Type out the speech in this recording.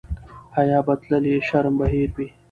حیا به تللې شرم به هېر وي.